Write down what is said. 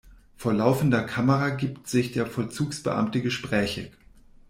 Vor laufender Kamera gibt sich der Vollzugsbeamte gesprächig.